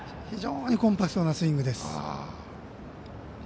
非常にコンパクトなスイングです。